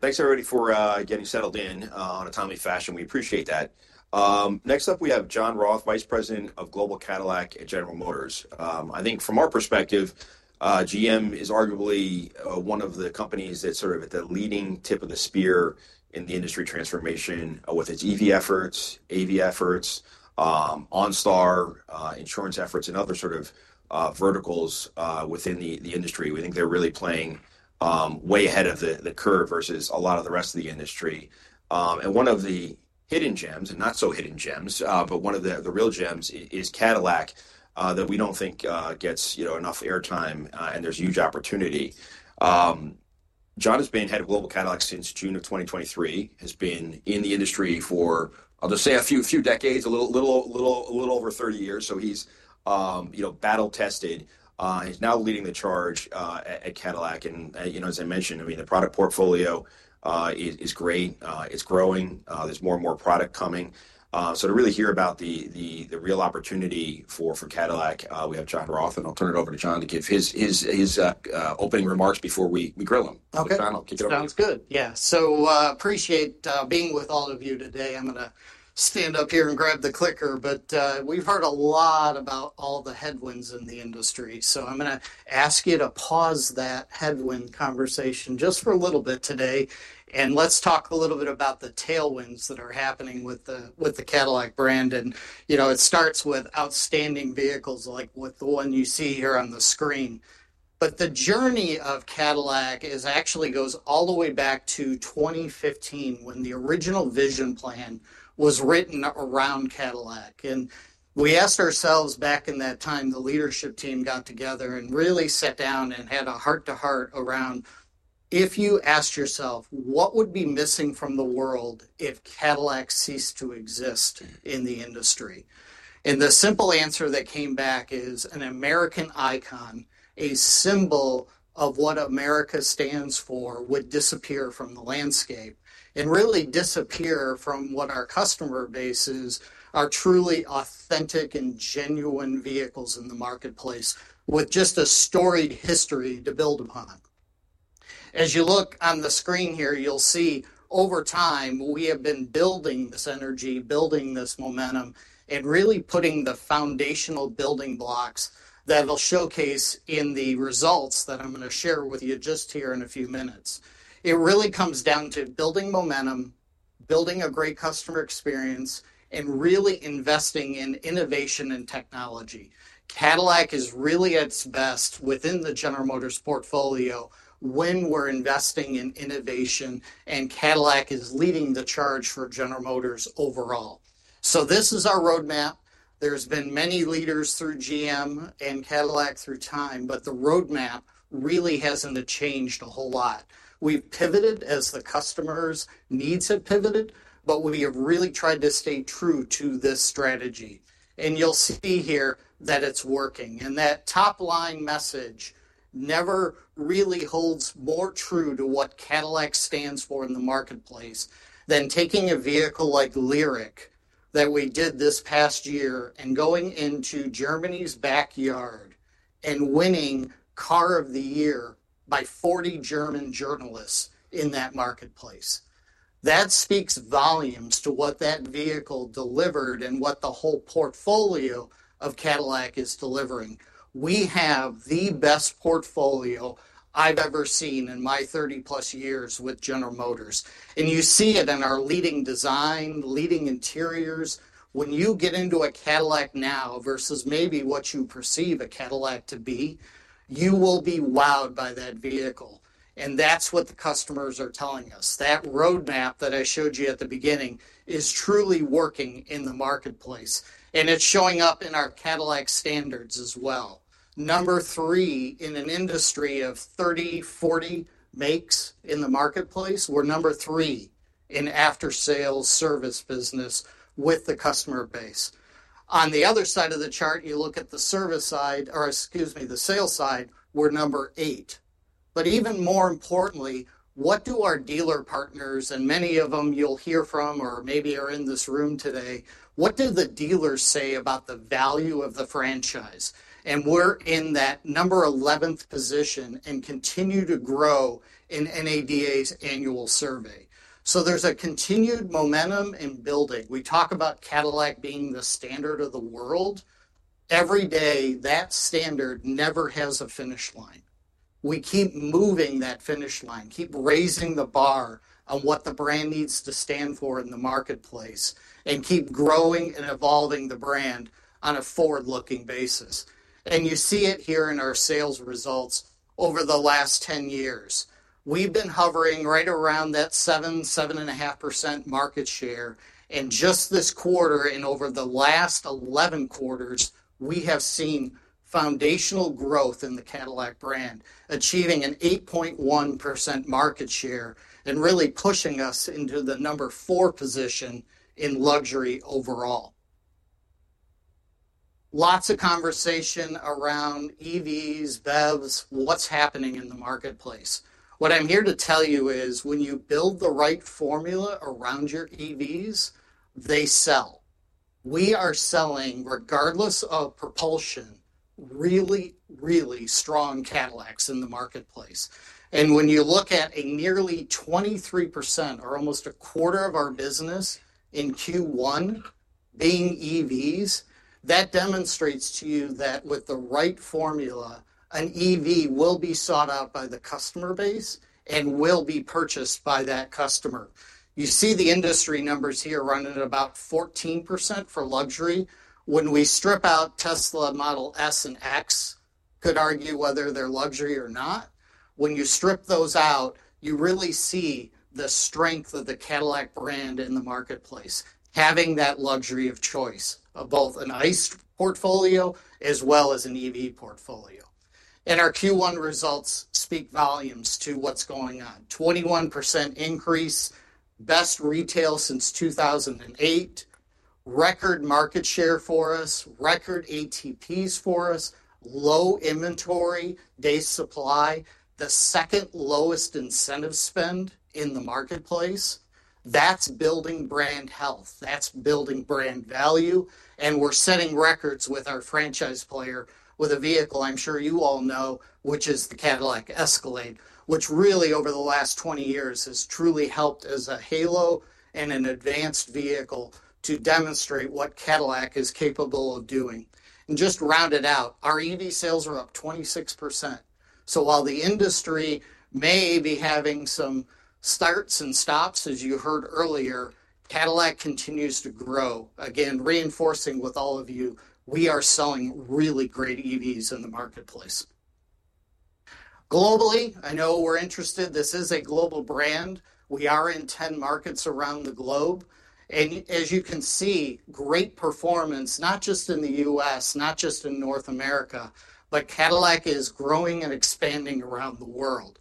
Thanks, everybody, for getting settled in on a timely fashion. We appreciate that. Next up, we have John Roth, Vice President of Global Cadillac at General Motors. I think from our perspective, GM is arguably one of the companies that's sort of at the leading tip of the spear in the industry transformation with its EV efforts, AV efforts, OnStar insurance efforts, and other sort of verticals within the industry. We think they're really playing way ahead of the curve versus a lot of the rest of the industry. One of the hidden gems, and not so hidden gems, but one of the real gems is Cadillac that we don't think gets enough airtime and there's huge opportunity. John has been head of Global Cadillac since June of 2023, has been in the industry for, I'll just say, a few decades, a little over 30 years. So he's battle-tested. He's now leading the charge at Cadillac. As I mentioned, I mean, the product portfolio is great. It's growing. There's more and more product coming. To really hear about the real opportunity for Cadillac, we have John Roth. I'll turn it over to John to give his opening remarks before we grill him. Okay. Sounds good. Yeah. I appreciate being with all of you today. I'm going to stand up here and grab the clicker. We have heard a lot about all the headwinds in the industry. I am going to ask you to pause that headwind conversation just for a little bit today. Let's talk a little bit about the tailwinds that are happening with the Cadillac brand. It starts with outstanding vehicles like the one you see here on the screen. The journey of Cadillac actually goes all the way back to 2015 when the original vision plan was written around Cadillac. We asked ourselves back in that time, the leadership team got together and really sat down and had a heart-to-heart around, "If you asked yourself, what would be missing from the world if Cadillac ceased to exist in the industry?" The simple answer that came back is, "An American icon, a symbol of what America stands for, would disappear from the landscape and really disappear from what our customer base is, our truly authentic and genuine vehicles in the marketplace with just a storied history to build upon." As you look on the screen here, you'll see over time we have been building this energy, building this momentum, and really putting the foundational building blocks that I'll showcase in the results that I'm going to share with you just here in a few minutes. It really comes down to building momentum, building a great customer experience, and really investing in innovation and technology. Cadillac is really at its best within the General Motors portfolio when we're investing in innovation, and Cadillac is leading the charge for General Motors overall. This is our roadmap. There have been many leaders through GM and Cadillac through time, but the roadmap really hasn't changed a whole lot. We've pivoted as the customers' needs have pivoted, but we have really tried to stay true to this strategy. You'll see here that it's working. That top-line message never really holds more true to what Cadillac stands for in the marketplace than taking a vehicle like Lyriq that we did this past year and going into Germany's backyard and winning Car of the Year by 40 German journalists in that marketplace. That speaks volumes to what that vehicle delivered and what the whole portfolio of Cadillac is delivering. We have the best portfolio I've ever seen in my 30-plus years with General Motors. You see it in our leading design, leading interiors. When you get into a Cadillac now versus maybe what you perceive a Cadillac to be, you will be wowed by that vehicle. That's what the customers are telling us. That roadmap that I showed you at the beginning is truly working in the marketplace. It's showing up in our Cadillac standards as well. Number three in an industry of 30-40 makes in the marketplace. We're number three in after-sales service business with the customer base. On the other side of the chart, you look at the service side or, excuse me, the sales side, we're number eight. Even more importantly, what do our dealer partners, and many of them you'll hear from or maybe are in this room today, what do the dealers say about the value of the franchise? We are in that number 11 position and continue to grow in NADA's annual survey. There is continued momentum in building. We talk about Cadillac being the standard of the world. Every day, that standard never has a finish line. We keep moving that finish line, keep raising the bar on what the brand needs to stand for in the marketplace, and keep growing and evolving the brand on a forward-looking basis. You see it here in our sales results over the last 10 years. We have been hovering right around that 7-7.5% market share. Just this quarter and over the last 11 quarters, we have seen foundational growth in the Cadillac brand, achieving an 8.1% market share and really pushing us into the number four position in luxury overall. Lots of conversation around EVs, BEVs, what's happening in the marketplace. What I'm here to tell you is when you build the right formula around your EVs, they sell. We are selling, regardless of propulsion, really, really strong Cadillacs in the marketplace. When you look at a nearly 23% or almost a quarter of our business in Q1 being EVs, that demonstrates to you that with the right formula, an EV will be sought out by the customer base and will be purchased by that customer. You see the industry numbers here running at about 14% for luxury. When we strip out Tesla Model S and X, could argue whether they're luxury or not. When you strip those out, you really see the strength of the Cadillac brand in the marketplace, having that luxury of choice of both an ICE portfolio as well as an EV portfolio. Our Q1 results speak volumes to what's going on. 21% increase, best retail since 2008, record market share for us, record ATPs for us, low inventory, day supply, the second lowest incentive spend in the marketplace. That's building brand health. That's building brand value. We're setting records with our franchise player with a vehicle I'm sure you all know, which is the Cadillac Escalade, which really over the last 20 years has truly helped as a halo and an advanced vehicle to demonstrate what Cadillac is capable of doing. To round it out, our EV sales are up 26%. While the industry may be having some starts and stops, as you heard earlier, Cadillac continues to grow. Again, reinforcing with all of you, we are selling really great EVs in the marketplace. Globally, I know we're interested. This is a global brand. We are in 10 markets around the globe. As you can see, great performance, not just in the U.S., not just in North America, but Cadillac is growing and expanding around the world.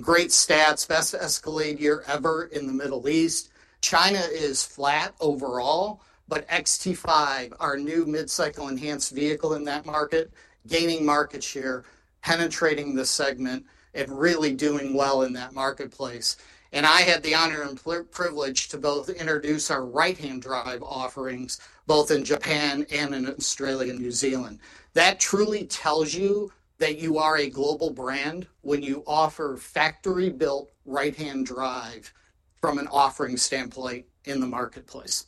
Great stats, best Escalade year ever in the Middle East. China is flat overall, but XT5, our new mid-cycle enhanced vehicle in that market, gaining market share, penetrating the segment, and really doing well in that marketplace. I had the honor and privilege to both introduce our right-hand drive offerings in Japan and in Australia and New Zealand. That truly tells you that you are a global brand when you offer factory-built right-hand drive from an offering standpoint in the marketplace.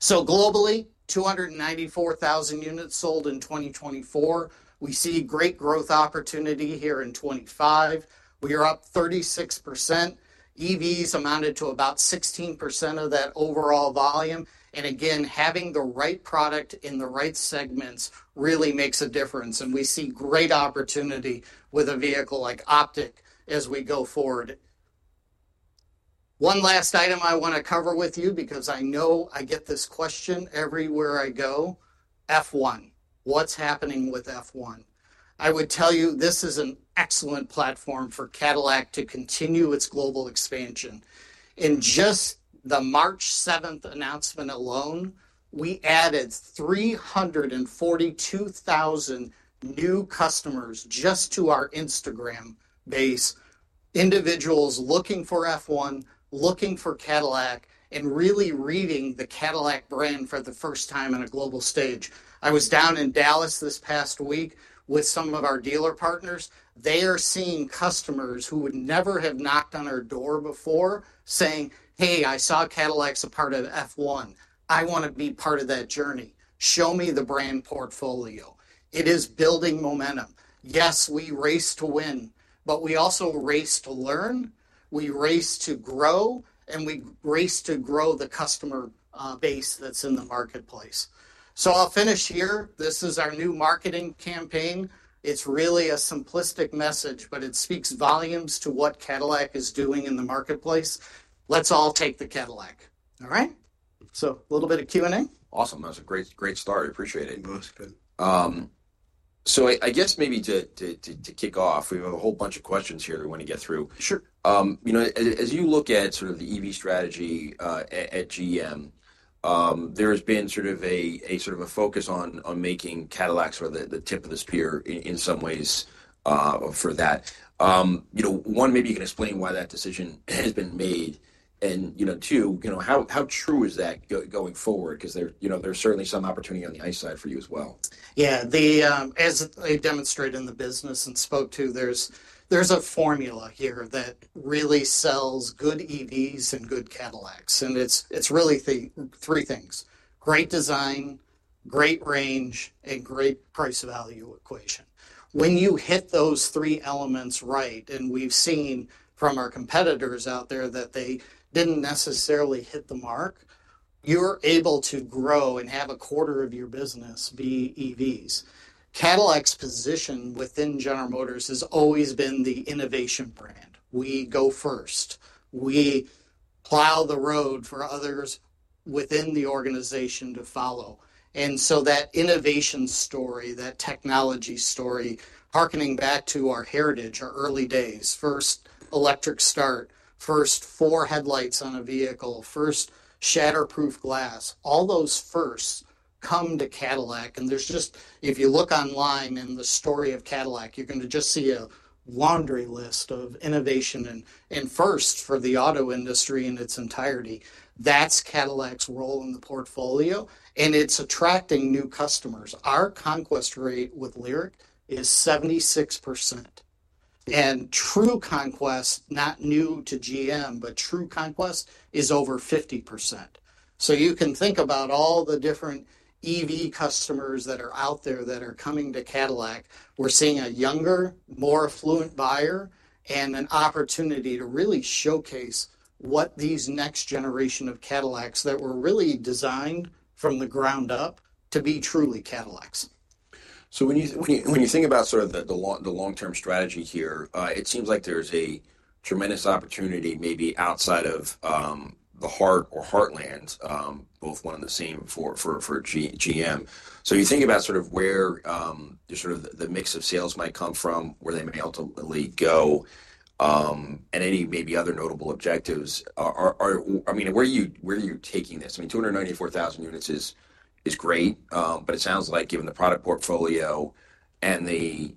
Globally, 294,000 units sold in 2024. We see great growth opportunity here in 2025. We are up 36%. EVs amounted to about 16% of that overall volume. Again, having the right product in the right segments really makes a difference. We see great opportunity with a vehicle like Optiq as we go forward. One last item I want to cover with you because I know I get this question everywhere I go. F1. What's happening with F1? I would tell you this is an excellent platform for Cadillac to continue its global expansion. In just the March 7th announcement alone, we added 342,000 new customers just to our Instagram base, individuals looking for F1, looking for Cadillac, and really reading the Cadillac brand for the first time on a global stage. I was down in Dallas this past week with some of our dealer partners. They are seeing customers who would never have knocked on our door before saying, "Hey, I saw Cadillac's a part of F1. I want to be part of that journey. Show me the brand portfolio." It is building momentum. Yes, we race to win, but we also race to learn. We race to grow, and we race to grow the customer base that's in the marketplace. I'll finish here. This is our new marketing campaign. It's really a simplistic message, but it speaks volumes to what Cadillac is doing in the marketplace. Let's all take the Cadillac. All right? A little bit of Q&A? Awesome. That was a great start. I appreciate it. Most good. I guess maybe to kick off, we have a whole bunch of questions here we want to get through. Sure. As you look at sort of the EV strategy at GM, there has been sort of a focus on making Cadillac sort of the tip of the spear in some ways for that. One, maybe you can explain why that decision has been made. Two, how true is that going forward? Because there's certainly some opportunity on the ICE side for you as well. Yeah. As I demonstrate in the business and spoke to, there's a formula here that really sells good EVs and good Cadillacs. It's really three things: great design, great range, and great price value equation. When you hit those three elements right, and we've seen from our competitors out there that they didn't necessarily hit the mark, you're able to grow and have a quarter of your business be EVs. Cadillac's position within General Motors has always been the innovation brand. We go first. We plow the road for others within the organization to follow. That innovation story, that technology story, hearkening back to our heritage, our early days, first electric start, first four headlights on a vehicle, first shatterproof glass, all those firsts come to Cadillac. If you look online in the story of Cadillac, you're going to just see a laundry list of innovation and firsts for the auto industry in its entirety. That's Cadillac's role in the portfolio, and it's attracting new customers. Our conquest rate with Lyriq is 76%. And true conquest, not new to GM, but true conquest is over 50%. You can think about all the different EV customers that are out there that are coming to Cadillac. We're seeing a younger, more affluent buyer and an opportunity to really showcase what these next generation of Cadillacs that were really designed from the ground up to be truly Cadillacs. When you think about sort of the long-term strategy here, it seems like there's a tremendous opportunity maybe outside of the heart or heartland, both one and the same for GM. You think about sort of where sort of the mix of sales might come from, where they may ultimately go, and any maybe other notable objectives. I mean, where are you taking this? I mean, 294,000 units is great, but it sounds like given the product portfolio and the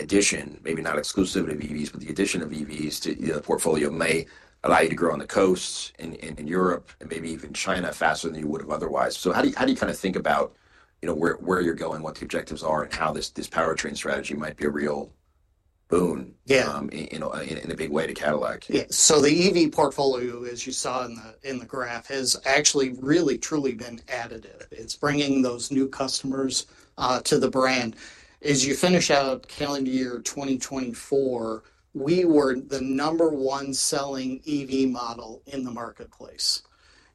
addition, maybe not exclusively of EVs, but the addition of EVs to the portfolio may allow you to grow on the coasts in Europe and maybe even China faster than you would have otherwise. How do you kind of think about where you're going, what the objectives are, and how this powertrain strategy might be a real boon in a big way to Cadillac? Yeah. So the EV portfolio, as you saw in the graph, has actually really, truly been additive. It's bringing those new customers to the brand. As you finish out calendar year 2024, we were the number one selling EV model in the marketplace.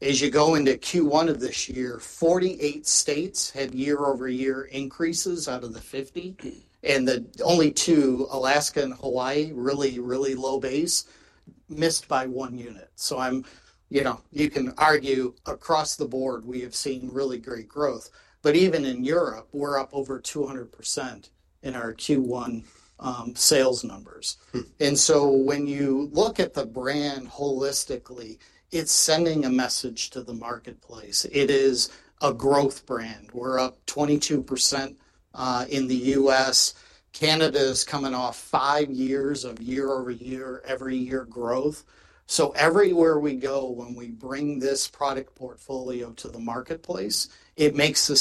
As you go into Q1 of this year, 48 states had year-over-year increases out of the 50. The only two, Alaska and Hawaii, really, really low base, missed by one unit. You can argue across the board, we have seen really great growth. Even in Europe, we're up over 200% in our Q1 sales numbers. When you look at the brand holistically, it's sending a message to the marketplace. It is a growth brand. We're up 22% in the US. Canada is coming off five years of year-over-year, every year growth. Everywhere we go, when we bring this product portfolio to the marketplace, it makes a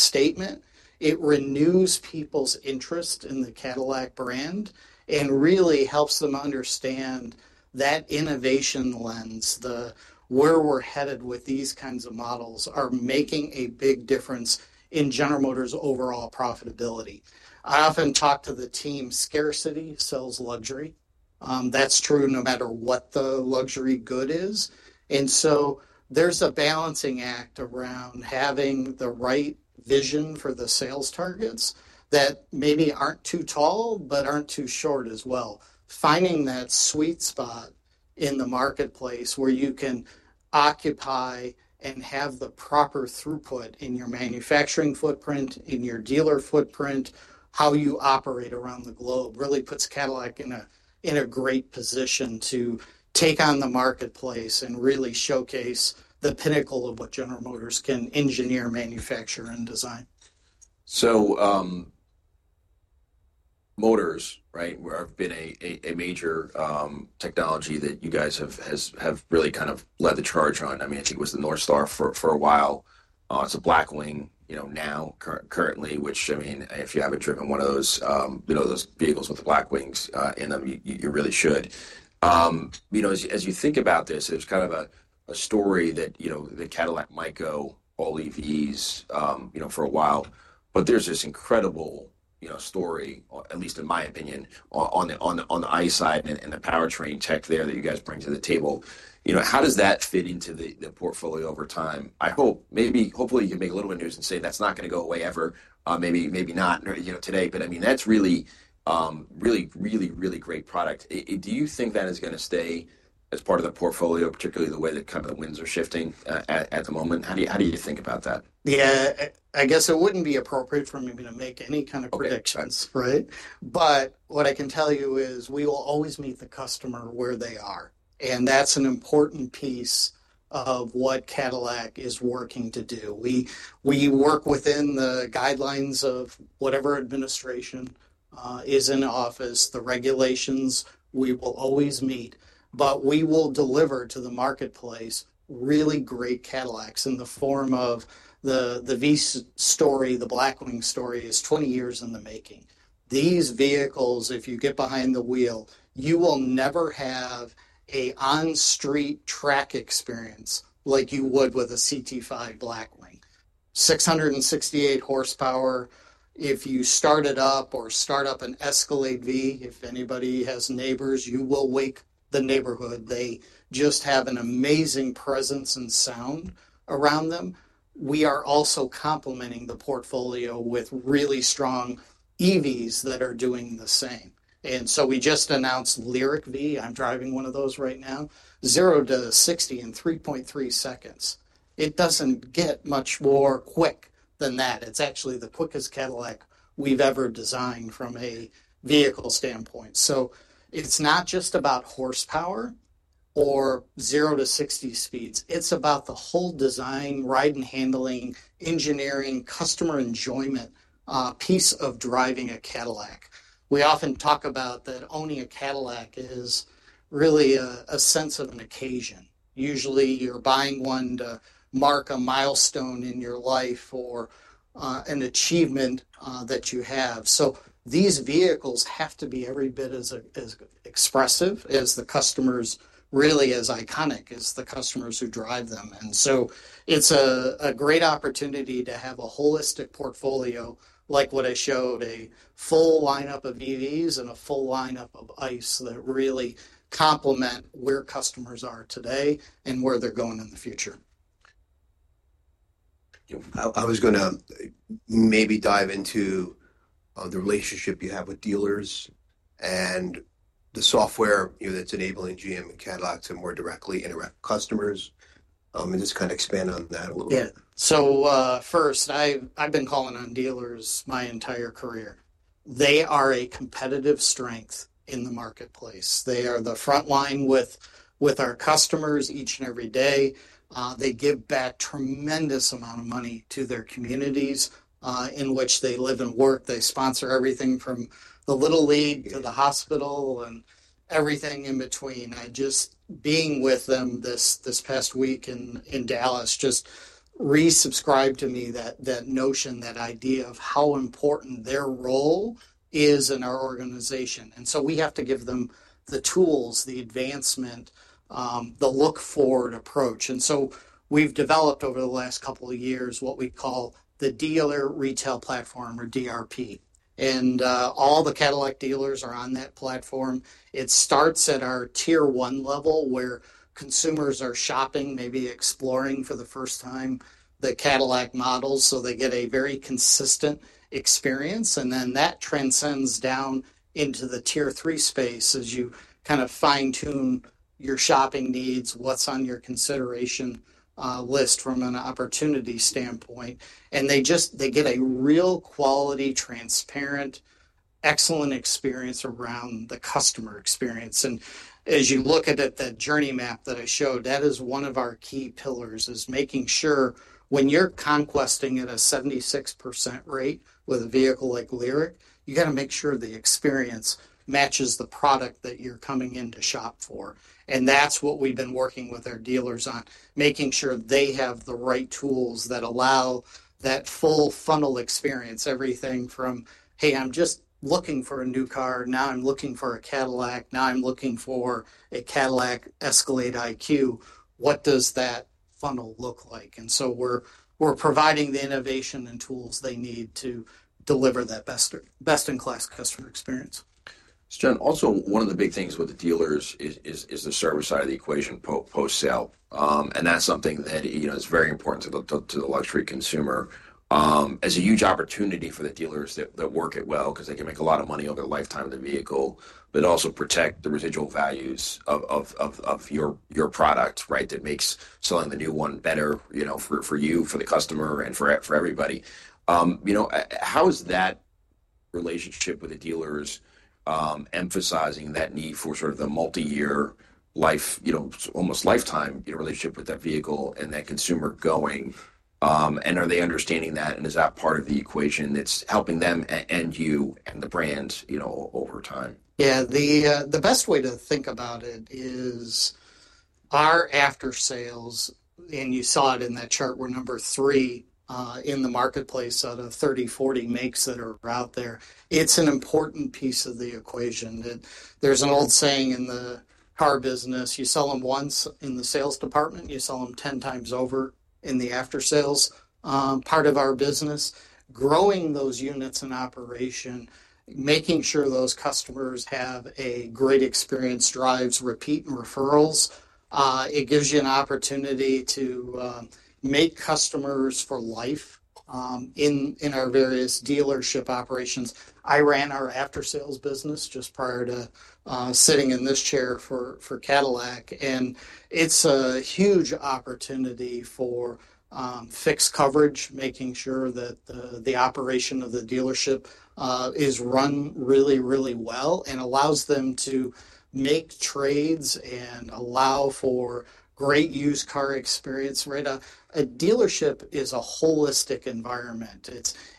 statement. It renews people's interest in the Cadillac brand and really helps them understand that innovation lens, where we're headed with these kinds of models are making a big difference in General Motors' overall profitability. I often talk to the team, scarcity sells luxury. That's true no matter what the luxury good is. There is a balancing act around having the right vision for the sales targets that maybe aren't too tall, but aren't too short as well. Finding that sweet spot in the marketplace where you can occupy and have the proper throughput in your manufacturing footprint, in your dealer footprint, how you operate around the globe really puts Cadillac in a great position to take on the marketplace and really showcase the pinnacle of what General Motors can engineer, manufacture, and design. Motors, right, where I've been a major technology that you guys have really kind of led the charge on. I mean, I think it was the Northstar for a while. It's a Blackwing now currently, which I mean, if you haven't driven one of those vehicles with the Blackwings in them, you really should. As you think about this, there's kind of a story that Cadillac might go all EVs for a while, but there's this incredible story, at least in my opinion, on the ICE side and the powertrain tech there that you guys bring to the table. How does that fit into the portfolio over time? I hope maybe hopefully you can make a little bit of news and say that's not going to go away ever. Maybe not today. I mean, that's really, really, really, really great product. Do you think that is going to stay as part of the portfolio, particularly the way that kind of the winds are shifting at the moment? How do you think about that? Yeah. I guess it would not be appropriate for me to make any kind of predictions, right? What I can tell you is we will always meet the customer where they are. That is an important piece of what Cadillac is working to do. We work within the guidelines of whatever administration is in office. The regulations, we will always meet. We will deliver to the marketplace really great Cadillacs in the form of the V story, the Blackwing story is 20 years in the making. These vehicles, if you get behind the wheel, you will never have an on-street track experience like you would with a CT5 Blackwing. 668 horsepower. If you start it up or start up an Escalade V, if anybody has neighbors, you will wake the neighborhood. They just have an amazing presence and sound around them. We are also complementing the portfolio with really strong EVs that are doing the same. We just announced Lyriq V. I'm driving one of those right now. 0 to 60 in 3.3 seconds. It doesn't get much more quick than that. It's actually the quickest Cadillac we've ever designed from a vehicle standpoint. It's not just about horsepower or 0 to 60 speeds. It's about the whole design, ride and handling, engineering, customer enjoyment piece of driving a Cadillac. We often talk about that owning a Cadillac is really a sense of an occasion. Usually, you're buying one to mark a milestone in your life or an achievement that you have. These vehicles have to be every bit as expressive as the customers, really as iconic as the customers who drive them. It is a great opportunity to have a holistic portfolio like what I showed, a full lineup of EVs and a full lineup of ICE that really complement where customers are today and where they are going in the future. I was going to maybe dive into the relationship you have with dealers and the software that's enabling GM and Cadillac to more directly interact with customers. Just kind of expand on that a little bit. Yeah. First, I've been calling on dealers my entire career. They are a competitive strength in the marketplace. They are the front line with our customers each and every day. They give back a tremendous amount of money to their communities in which they live and work. They sponsor everything from the Little League to the hospital and everything in between. Just being with them this past week in Dallas just resubscribed to me that notion, that idea of how important their role is in our organization. We have to give them the tools, the advancement, the look-forward approach. We have developed over the last couple of years what we call the Digital Retail Platform or DRP. All the Cadillac dealers are on that platform. It starts at our Tier 1 level where consumers are shopping, maybe exploring for the first time the Cadillac models, so they get a very consistent experience. That transcends down into the Tier 3 space as you kind of fine-tune your shopping needs, what's on your consideration list from an opportunity standpoint. They get a real quality, transparent, excellent experience around the customer experience. As you look at the journey map that I showed, that is one of our key pillars, making sure when you're conquesting at a 76% rate with a vehicle like Lyriq, you got to make sure the experience matches the product that you're coming in to shop for. That's what we've been working with our dealers on, making sure they have the right tools that allow that full funnel experience, everything from, "Hey, I'm just looking for a new car. Now I'm looking for a Cadillac. Now I'm looking for a Cadillac Escalade IQ. What does that funnel look like? We are providing the innovation and tools they need to deliver that best-in-class customer experience. Also, one of the big things with the dealers is the service side of the equation, post-sale. That is something that is very important to the luxury consumer. It is a huge opportunity for the dealers that work it well because they can make a lot of money over the lifetime of the vehicle, but also protect the residual values of your product, right? That makes selling the new one better for you, for the customer, and for everybody. How is that relationship with the dealers emphasizing that need for sort of the multi-year life, almost lifetime relationship with that vehicle and that consumer going? Are they understanding that? Is that part of the equation that is helping them and you and the brand over time? Yeah. The best way to think about it is our after-sales, and you saw it in that chart where number three in the marketplace out of 30, 40 makes that are out there. It's an important piece of the equation. There's an old saying in the car business, "You sell them once in the sales department, you sell them 10 times over in the after-sales part of our business." Growing those units in operation, making sure those customers have a great experience drives repeat and referrals. It gives you an opportunity to make customers for life in our various dealership operations. I ran our after-sales business just prior to sitting in this chair for Cadillac. And it's a huge opportunity for fixed coverage, making sure that the operation of the dealership is run really, really well and allows them to make trades and allow for great used car experience, right? A dealership is a holistic environment.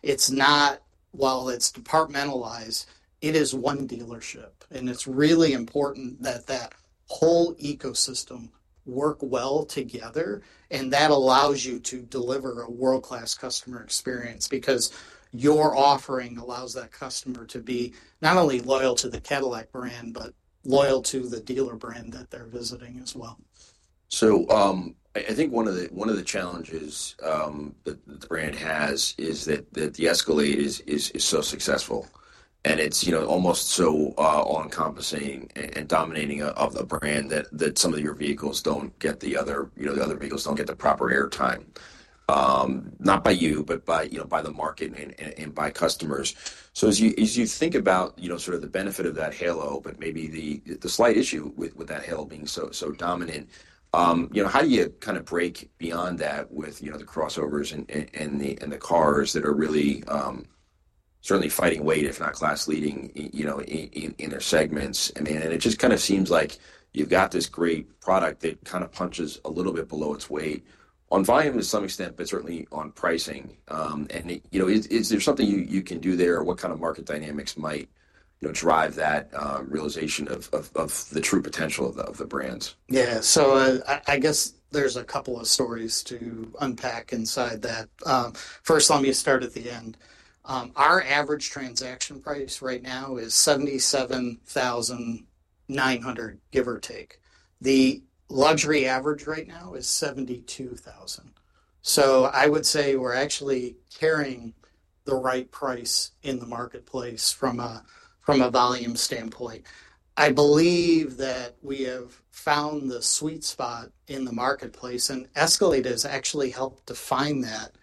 It's not, while it's departmentalized, it is one dealership. It's really important that that whole ecosystem work well together. That allows you to deliver a world-class customer experience because your offering allows that customer to be not only loyal to the Cadillac brand, but loyal to the dealer brand that they're visiting as well. I think one of the challenges that the brand has is that the Escalade is so successful. It is almost so all-encompassing and dominating of the brand that some of your vehicles do not get the proper airtime. Not by you, but by the market and by customers. As you think about sort of the benefit of that halo, but maybe the slight issue with that halo being so dominant, how do you kind of break beyond that with the crossovers and the cars that are really certainly fighting weight, if not class-leading in their segments? I mean, it just kind of seems like you have got this great product that kind of punches a little bit below its weight on volume to some extent, but certainly on pricing. Is there something you can do there? What kind of market dynamics might drive that realization of the true potential of the brands? Yeah. I guess there's a couple of stories to unpack inside that. First, let me start at the end. Our average transaction price right now is $77,900, give or take. The luxury average right now is $72,000. I would say we're actually carrying the right price in the marketplace from a volume standpoint. I believe that we have found the sweet spot in the marketplace. Escalade has actually helped define that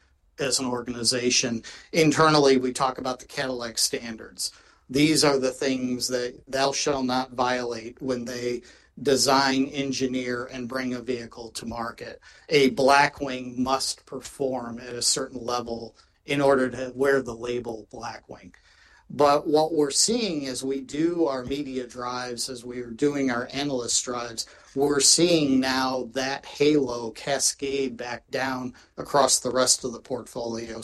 as an organization. Internally, we talk about the Cadillac standards. These are the things that they shall not violate when they design, engineer, and bring a vehicle to market. A Blackwing must perform at a certain level in order to wear the label Blackwing. What we're seeing as we do our media drives, as we are doing our analyst drives, we're seeing now that halo cascade back down across the rest of the portfolio.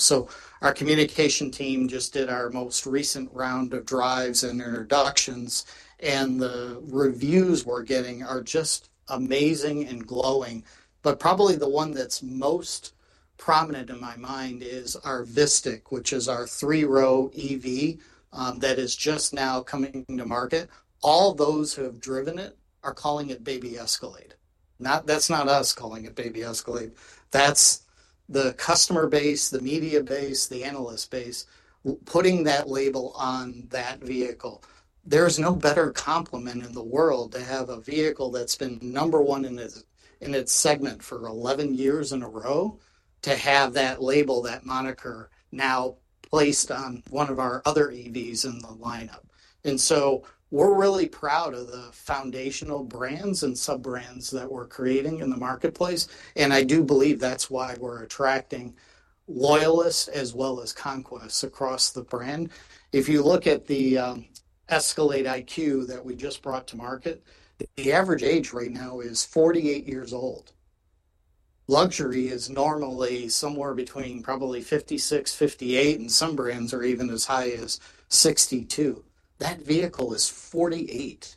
Our communication team just did our most recent round of drives and introductions. The reviews we're getting are just amazing and glowing. Probably the one that's most prominent in my mind is our Vistiq, which is our three-row EV that is just now coming to market. All those who have driven it are calling it Baby Escalade. That's not us calling it Baby Escalade. That's the customer base, the media base, the analyst base, putting that label on that vehicle. There's no better complement in the world to have a vehicle that's been number one in its segment for 11 years in a row to have that label, that moniker now placed on one of our other EVs in the lineup. We're really proud of the foundational brands and sub-brands that we're creating in the marketplace. I do believe that's why we're attracting loyalists as well as conquests across the brand. If you look at the Escalade IQ that we just brought to market, the average age right now is 48 years old. Luxury is normally somewhere between probably 56, 58, and some brands are even as high as 62. That vehicle is 48.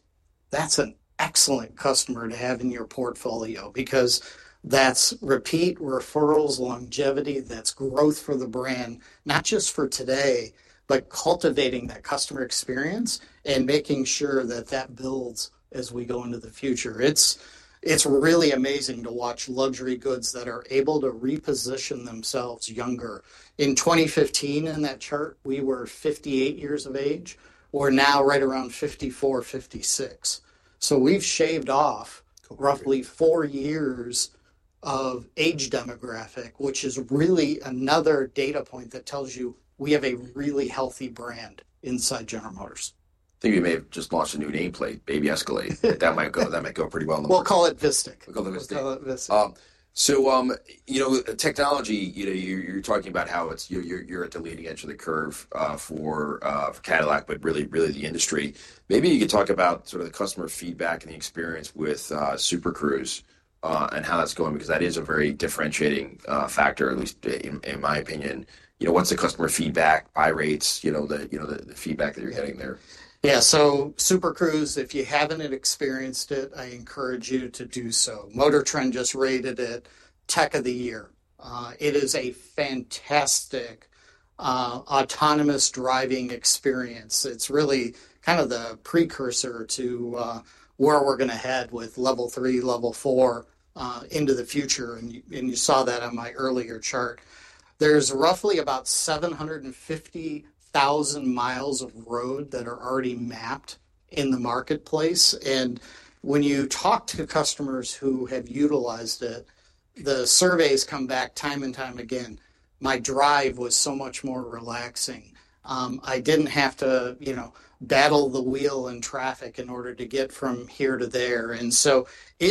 That's an excellent customer to have in your portfolio because that's repeat referrals, longevity. That's growth for the brand, not just for today, but cultivating that customer experience and making sure that that builds as we go into the future. It's really amazing to watch luxury goods that are able to reposition themselves younger. In 2015, in that chart, we were 58 years of age. We're now right around 54, 56. We've shaved off roughly four years of age demographic, which is really another data point that tells you we have a really healthy brand inside General Motors. I think we may have just launched a new nameplate, Baby Escalade. That might go pretty well in the market. We'll call it Vistiq. We'll call it Vistiq. Technology, you're talking about how you're at the leading edge of the curve for Cadillac, but really the industry. Maybe you could talk about sort of the customer feedback and the experience with Super Cruise and how that's going because that is a very differentiating factor, at least in my opinion. What's the customer feedback, buy rates, the feedback that you're getting there? Yeah. Super Cruise, if you haven't experienced it, I encourage you to do so. Motor Trend just rated it Tech of the Year. It is a fantastic autonomous driving experience. It's really kind of the precursor to where we're going to head with level three, level four into the future. You saw that on my earlier chart. There's roughly about 750,000 miles of road that are already mapped in the marketplace. When you talk to customers who have utilized it, the surveys come back time and time again. My drive was so much more relaxing. I didn't have to battle the wheel in traffic in order to get from here to there. It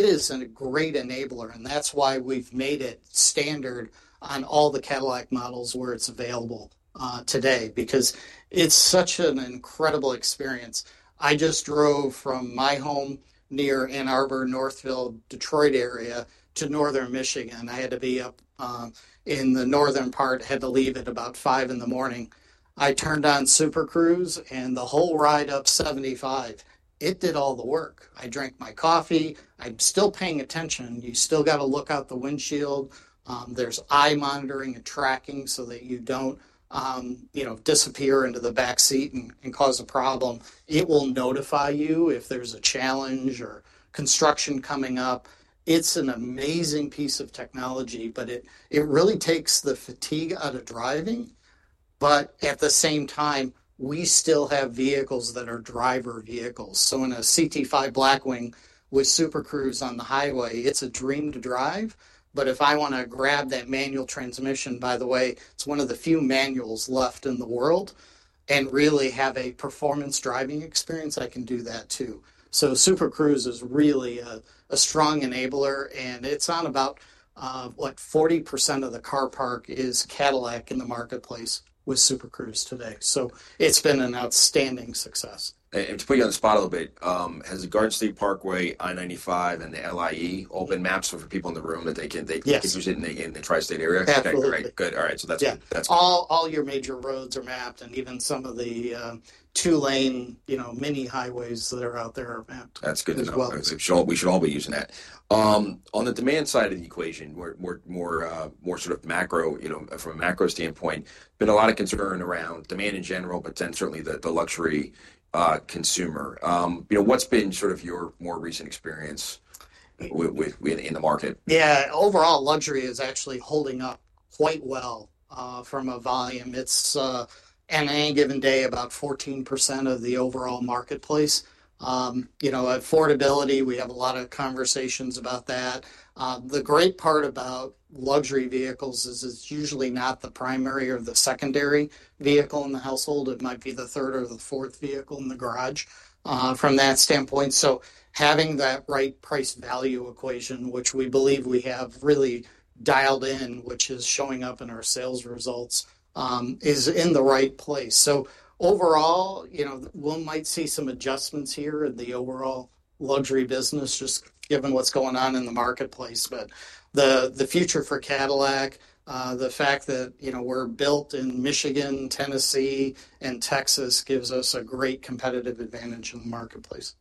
is a great enabler. That's why we've made it standard on all the Cadillac models where it's available today because it's such an incredible experience. I just drove from my home near Ann Arbor, Northville, Detroit area to northern Michigan. I had to be up in the northern part, had to leave at about 5:00 in the morning. I turned on Super Cruise and the whole ride up 75. It did all the work. I drank my coffee. I'm still paying attention. You still got to look out the windshield. There's eye monitoring and tracking so that you don't disappear into the back seat and cause a problem. It will notify you if there's a challenge or construction coming up. It's an amazing piece of technology, but it really takes the fatigue out of driving. At the same time, we still have vehicles that are driver vehicles. In a CT5 Blackwing with Super Cruise on the highway, it's a dream to drive. If I want to grab that manual transmission, by the way, it's one of the few manuals left in the world, and really have a performance driving experience, I can do that too. Super Cruise is really a strong enabler. It's on about 40% of the car park as Cadillac in the marketplace with Super Cruise today. It's been an outstanding success. To put you on the spot a little bit, has the Garden State Parkway, I-95, and the LIE all been mapped so for people in the room that they can use it in the tri-state area? Absolutely. Great. Good. All right. That's good. Yeah. All your major roads are mapped. Even some of the two-lane mini highways that are out there are mapped as well. That's good to know. We should all be using that. On the demand side of the equation, more sort of macro from a macro standpoint, been a lot of concern around demand in general, but then certainly the luxury consumer. What's been sort of your more recent experience in the market? Yeah. Overall, luxury is actually holding up quite well from a volume. It's at any given day about 14% of the overall marketplace. Affordability, we have a lot of conversations about that. The great part about luxury vehicles is it's usually not the primary or the secondary vehicle in the household. It might be the third or the fourth vehicle in the garage from that standpoint. Having that right price value equation, which we believe we have really dialed in, which is showing up in our sales results, is in the right place. Overall, we might see some adjustments here in the overall luxury business, just given what's going on in the marketplace. The future for Cadillac, the fact that we're built in Michigan, Tennessee, and Texas gives us a great competitive advantage in the marketplace.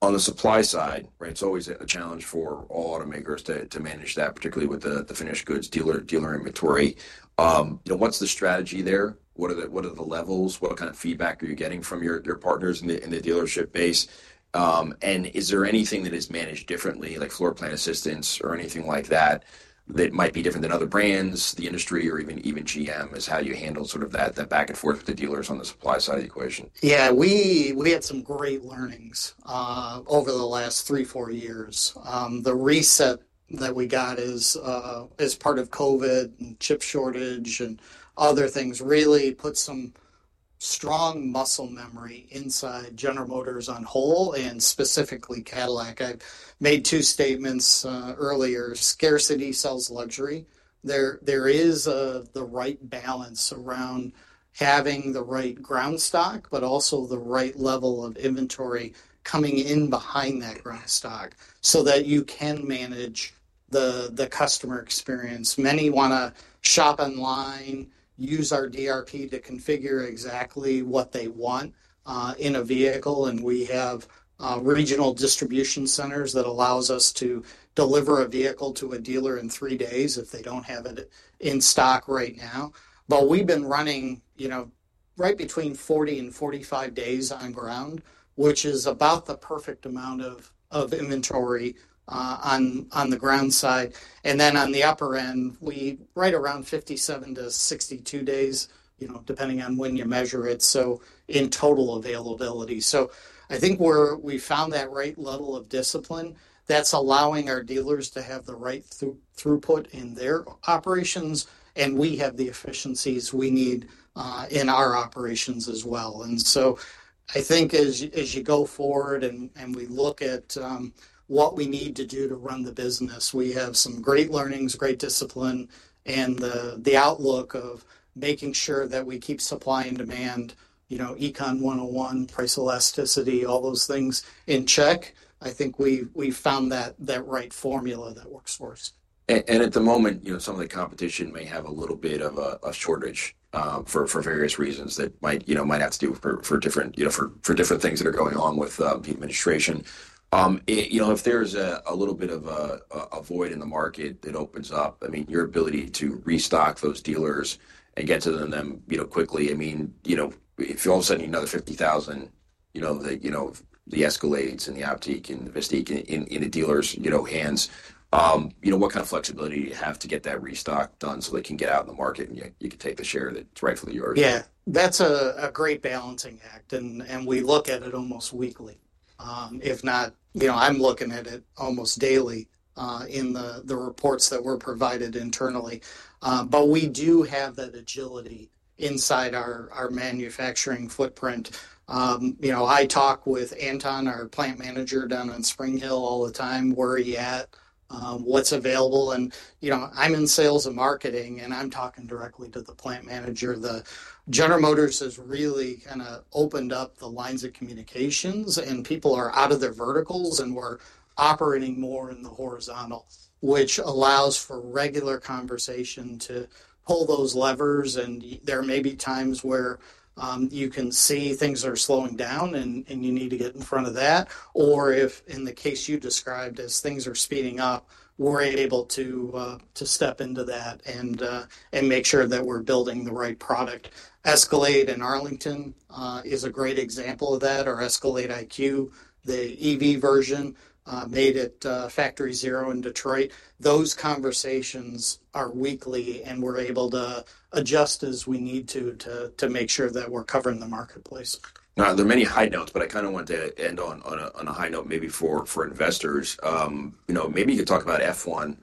On the supply side, right, it's always a challenge for all automakers to manage that, particularly with the finished goods dealer inventory. What's the strategy there? What are the levels? What kind of feedback are you getting from your partners in the dealership base? Is there anything that is managed differently, like floor plan assistance or anything like that, that might be different than other brands, the industry, or even GM, is how you handle sort of that back and forth with the dealers on the supply side of the equation? Yeah. We had some great learnings over the last three, four years. The reset that we got as part of COVID and chip shortage and other things really put some strong muscle memory inside General Motors on whole and specifically Cadillac. I made two statements earlier. Scarcity sells luxury. There is the right balance around having the right ground stock, but also the right level of inventory coming in behind that ground stock so that you can manage the customer experience. Many want to shop online, use our DRP to configure exactly what they want in a vehicle. We have regional distribution centers that allow us to deliver a vehicle to a dealer in three days if they do not have it in stock right now. We have been running right between 40 and 45 days on ground, which is about the perfect amount of inventory on the ground side. On the upper end, we're right around 57-62 days, depending on when you measure it, in total availability. I think we found that right level of discipline that's allowing our dealers to have the right throughput in their operations. We have the efficiencies we need in our operations as well. I think as you go forward and we look at what we need to do to run the business, we have some great learnings, great discipline, and the outlook of making sure that we keep supply and demand, Econ 101, price elasticity, all those things in check. I think we found that right formula that works for us. At the moment, some of the competition may have a little bit of a shortage for various reasons that might have to do for different things that are going on with the administration. If there's a little bit of a void in the market that opens up, I mean, your ability to restock those dealers and get to them quickly, I mean, if you're all of a sudden another 50,000, the Escalades and the Optiq and the Vistiq in the dealer's hands, what kind of flexibility do you have to get that restock done so they can get out in the market and you can take the share that's rightfully yours? Yeah. That's a great balancing act. We look at it almost weekly. If not, I'm looking at it almost daily in the reports that were provided internally. We do have that agility inside our manufacturing footprint. I talk with Michael Burke, our plant manager down on Spring Hill, all the time. Where are you at? What's available? I'm in sales and marketing, and I'm talking directly to the plant manager. General Motors has really kind of opened up the lines of communications, and people are out of their verticals, and we're operating more in the horizontal, which allows for regular conversation to pull those levers. There may be times where you can see things are slowing down, and you need to get in front of that. If in the case you described as things are speeding up, we're able to step into that and make sure that we're building the right product. Escalade in Arlington is a great example of that, or Escalade IQ, the EV version, made at Factory Zero in Detroit. Those conversations are weekly, and we're able to adjust as we need to to make sure that we're covering the marketplace. Now, there are many high notes, but I kind of want to end on a high note maybe for investors. Maybe you could talk about F1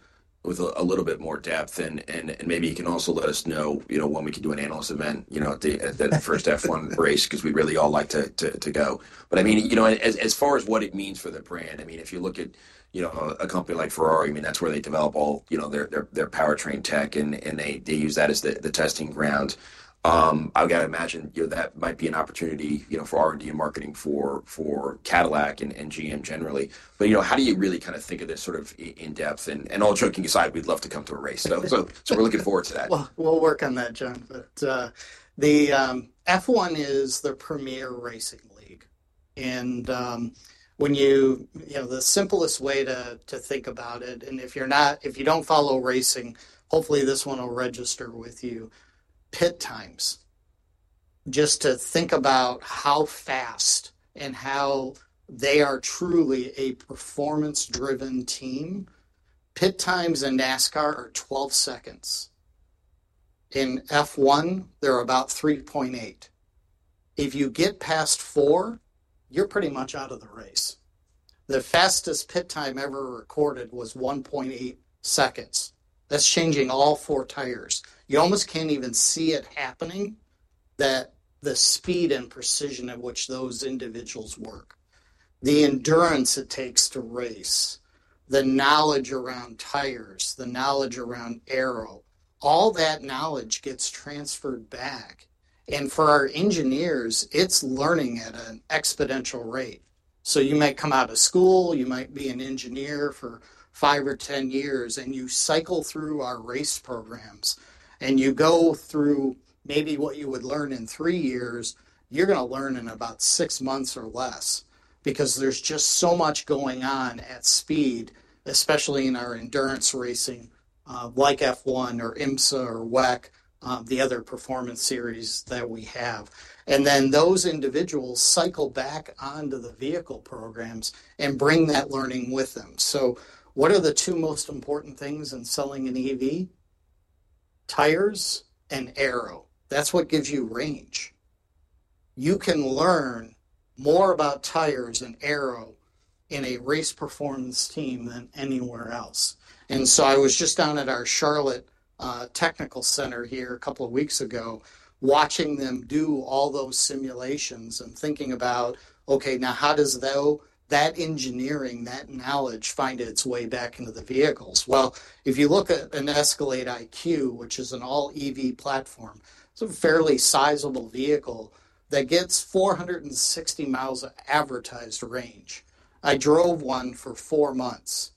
with a little bit more depth, and maybe you can also let us know when we can do an analyst event at the first F1 race because we really all like to go. I mean, as far as what it means for the brand, I mean, if you look at a company like Ferrari, I mean, that's where they develop all their powertrain tech, and they use that as the testing ground. I've got to imagine that might be an opportunity for R&D and marketing for Cadillac and GM generally. How do you really kind of think of this sort of in depth? All joking aside, we'd love to come to a race. We are looking forward to that. We'll work on that, John. The F1 is the premier racing league. The simplest way to think about it, and if you don't follow racing, hopefully this one will register with you, pit times. Just to think about how fast and how they are truly a performance-driven team. Pit times in NASCAR are 12 seconds. In F1, they're about 3.8. If you get past four, you're pretty much out of the race. The fastest pit time ever recorded was 1.8 seconds. That's changing all four tires. You almost can't even see it happening, the speed and precision at which those individuals work, the endurance it takes to race, the knowledge around tires, the knowledge around aero, all that knowledge gets transferred back. For our engineers, it's learning at an exponential rate. You might come out of school, you might be an engineer for five or ten years, and you cycle through our race programs, and you go through maybe what you would learn in three years, you're going to learn in about six months or less because there's just so much going on at speed, especially in our endurance racing like F1 or IMSA or WEC, the other performance series that we have. Then those individuals cycle back onto the vehicle programs and bring that learning with them. What are the two most important things in selling an EV? Tires and aero. That's what gives you range. You can learn more about tires and aero in a race performance team than anywhere else. I was just down at our Charlotte Technical Center here a couple of weeks ago, watching them do all those simulations and thinking about, okay, now how does that engineering, that knowledge find its way back into the vehicles? If you look at an Escalade IQ, which is an all-EV platform, it's a fairly sizable vehicle that gets 460 miles of advertised range. I drove one for four months.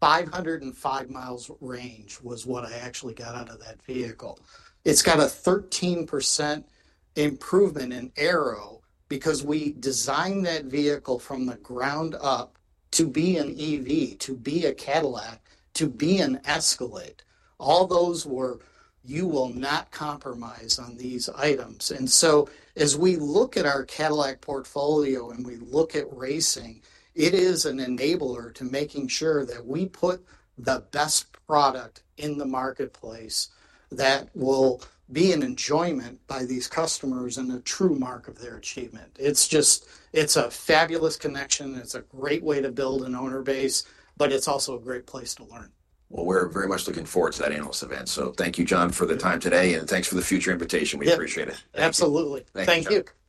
505 miles range was what I actually got out of that vehicle. It's got a 13% improvement in aero because we designed that vehicle from the ground up to be an EV, to be a Cadillac, to be an Escalade. All those were, you will not compromise on these items. As we look at our Cadillac portfolio and we look at racing, it is an enabler to making sure that we put the best product in the marketplace that will be an enjoyment by these customers and a true mark of their achievement. It's a fabulous connection. It's a great way to build an owner base, but it's also a great place to learn. We are very much looking forward to that analyst event. Thank you, John, for the time today, and thanks for the future invitation. We appreciate it. Absolutely. Thank you. Thank you.